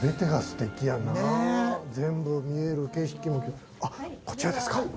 全部見える景色もあっこちらですか？